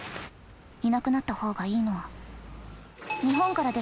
いなくなった方がいいのは。